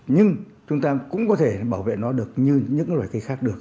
nhưng chúng ta cũng có thể bảo vệ nó được như những loài cây khác được